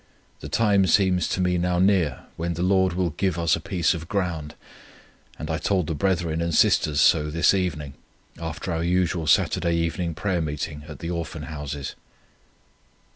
The time seems to me now near when the Lord will give us a piece of ground, and I told the brethren and sisters so this evening, after our usual Saturday evening prayer meeting at the Orphan Houses.